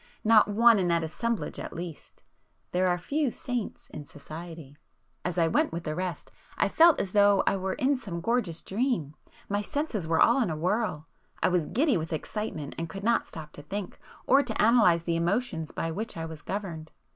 —not one in that assemblage at least;—there are few 'saints' in society! As I went with the rest, I felt as though I were in some gorgeous dream,—my senses were all in a whirl,—I was giddy with excitement and could not stop to think, or to analyse the emotions by which I was governed.